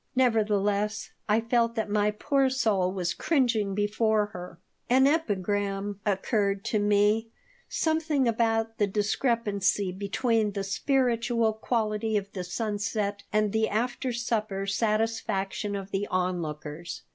Nevertheless, I felt that my poor soul was cringing before her An epigram occurred to me, something about the discrepancy between the spiritual quality of the sunset and the after supper satisfaction of the onlookers.